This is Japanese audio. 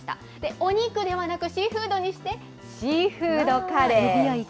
お肉ではなくシーフードにして、シーフードカレー。